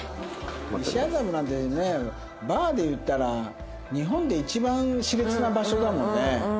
西麻布なんてねバーで言ったら日本で一番熾烈な場所だもんね。